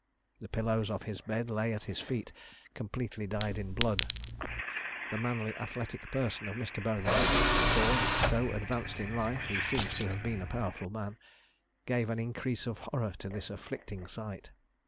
The pillows of his bed lay at his feet, completely dyed in blood. The manly athletic person of Mr. Bonar for, though advanced in life, he seems to have been a powerful man gave an increase of horror to this afflicting sight.